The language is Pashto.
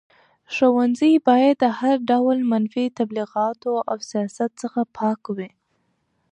ښوونځي باید د هر ډول منفي تبلیغاتو او سیاست څخه پاک وي.